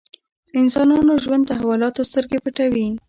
انسانانو ژوند تحولاتو سترګې پټوي.